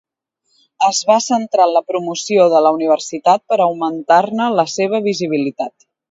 Es va centrar en la promoció de la universitat per augmentar-ne la seva visibilitat.